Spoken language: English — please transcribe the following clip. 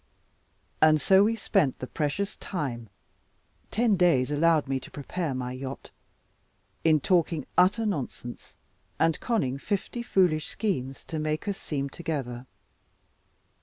And so we spent the precious time, ten days allowed me to prepare my yacht in talking utter nonsense, and conning fifty foolish schemes, to make us seem together.